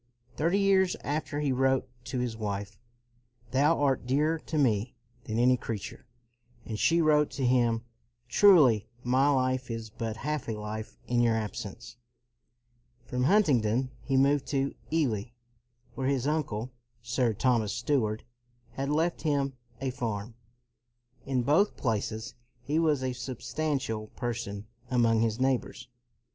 Thirty years after he wrote to his wife, " Thou art dearer to me than any creature"; and she wrote to him, " Truly my life is but half a life in your absence.'' From Huntingdon, he moved to Ely where his uncle, Sir Thomas Steward, had left him a farm. In both places he was a substantial person among his neighbors.